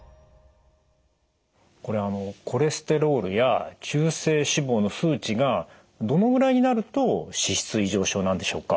これあのコレステロールや中性脂肪の数値がどのぐらいになると脂質異常症なんでしょうか？